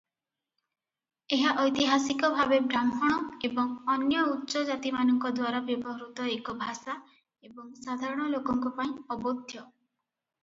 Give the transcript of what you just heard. ଏହା ଐତିହାସିକ ଭାବେ ବ୍ରାହ୍ମଣ ଏବଂ ଅନ୍ୟ ଉଚ୍ଚ ଜାତିମାନଙ୍କ ଦ୍ୱାରା ବ୍ୟବହୃତ ଏକ ଭାଷା ଏବଂ ସାଧାରଣ ଲୋକଙ୍କ ପାଇଁ ଅବୋଧ୍ୟ ।